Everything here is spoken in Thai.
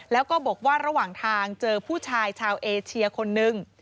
แล้วก็บอกว่าระหว่างทางเจอผู้ชายชาวเอเชียคนนึง